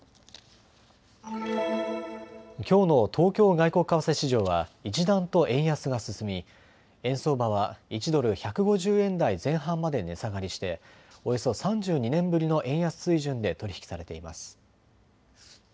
きょうの東京外国為替市場は一段と円安が進み円相場は１ドル１５０円台前半まで値下がりしておよそ３２年ぶりの円安水準で取り引きされています。